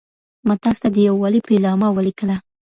ما تاسي ته د یووالي پېلامه ولیکله.